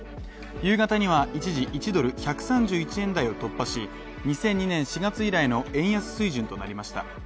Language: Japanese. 夕方には一時１ドル＝１３１円台を突破し、２００２年４月以来の円安水準となりました。